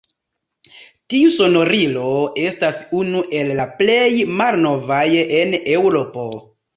Tiu sonorilo estas unu el la plej malnovaj en Eŭropo.